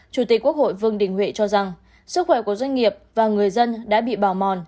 chủ tịch quốc hội vương đình huệ cho rằng sức khỏe của doanh nghiệp và người dân đã bị bào mòn